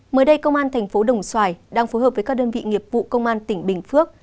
mới đây công an thành phố đồng xoài đang phối hợp với các đơn vị nghiệp vụ công an tỉnh bình phước